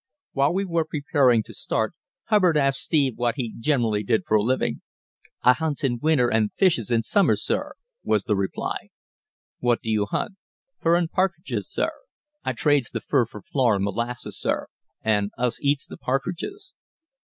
While we were preparing to start, Hubbard asked Steve what he generally did for a living. "I hunts in winter an' fishes in summer, sir," was the reply. "What do you hunt? "Fur an' partridges, sir. I trades the fur for flour and molasses, sir, an' us eats th' partridges."